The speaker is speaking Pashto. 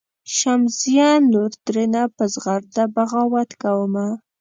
"شمسزیه نور ترېنه په زغرده بغاوت کومه.